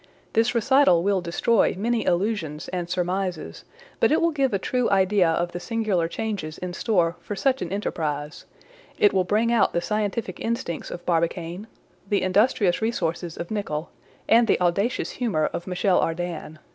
This recital will destroy many illusions and surmises; but it will give a true idea of the singular changes in store for such an enterprise; it will bring out the scientific instincts of Barbicane, the industrious resources of Nicholl, and the audacious humor of Michel Ardan.